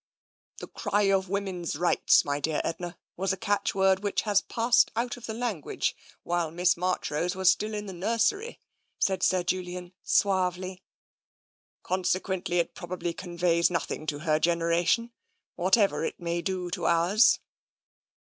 " The cry of Woman's Rights, my dear Edna, was a catchword which has passed out of the language while Miss Marchrose was still in the nursery," said Sir Julian suavely ;" consequently it probably conveys nothing to her generation, whatever it may do to ours.